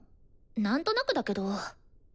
なんとなくだけど。